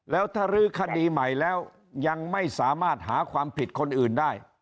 แล้วถ้ารื้อคดีใหม่แล้วยังไม่สามารถหาความผิดคนอื่นได้